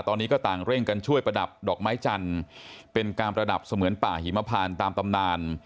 ตอนนี้ก็ต่างเร่งกันช่วยประดับดอกไม้จันทร์เป็นการประดับเสมือนป่าหิมพานตามตำนาน